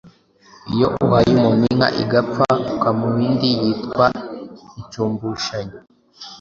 Iyo uhaye umuntu inka igapfa ukamuha indi yitwa Inshumbushanyo